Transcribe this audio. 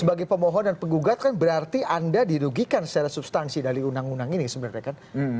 sebagai pemohon dan penggugat kan berarti anda dirugikan secara substansi dari undang undang ini sebenarnya kan